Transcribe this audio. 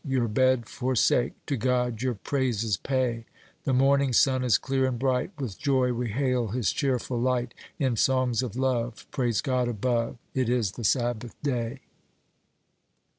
your bed forsake, To God your praises pay; The morning sun is clear and bright; With joy we hail his cheerful light. In songs of love Praise God above It is the Sabbath day!"